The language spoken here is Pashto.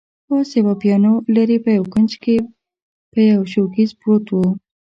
پاس یوه پیانو، لیري په یوه کونج کي یو شوکېز پروت وو.